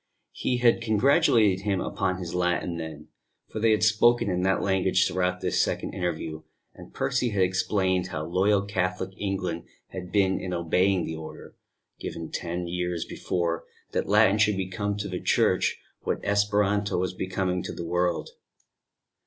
He had congratulated him upon his Latin then for they had spoken in that language throughout this second interview; and Percy had explained how loyal Catholic England had been in obeying the order, given ten years before, that Latin should become to the Church what Esperanto was becoming to the world.